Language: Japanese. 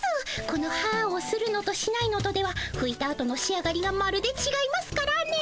この「はぁ」をするのとしないのとではふいたあとの仕上がりがまるでちがいますからね。